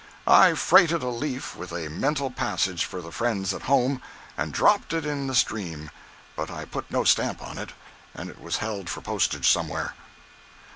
I freighted a leaf with a mental message for the friends at home, and dropped it in the stream. But I put no stamp on it and it was held for postage somewhere.